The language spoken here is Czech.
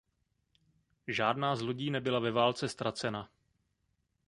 Žádná z lodí nebyla ve válce ztracena.